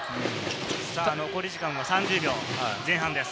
残り時間は３０秒前半です。